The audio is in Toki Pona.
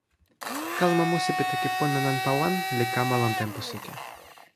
kalama musi pi toki pona nanpa wan li kama lon tenpo sike.